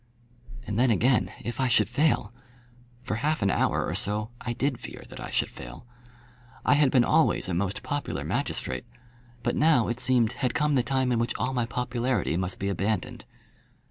And then again if I should fail! For half an hour or so I did fear that I should fail. I had been always a most popular magistrate, but now, it seemed, had come the time in which all my popularity must be abandoned.